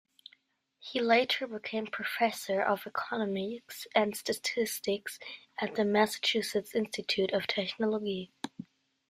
He later became professor of economics and statistics at the Massachusetts Institute of Technology.